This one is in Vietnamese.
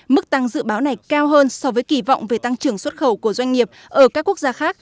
mức tăng dự báo này cao hơn so với kỳ vọng về tăng trưởng xuất khẩu của doanh nghiệp ở các quốc gia khác